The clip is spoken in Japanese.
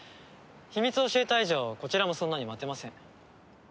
秘密を教えた以上こちらもそんなに待てません。